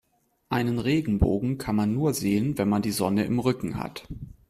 Einen Regenbogen kann man nur sehen, wenn man die Sonne im Rücken hat.